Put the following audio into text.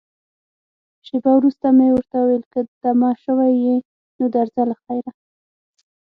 شېبه وروسته مې ورته وویل، که دمه شوې یې، نو درځه له خیره.